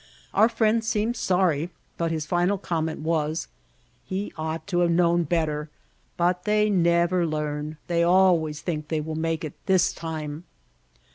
Our friend seemed sorry, but his final comment was : "He ought to have known better. But they never learn. They always think they will make it this time."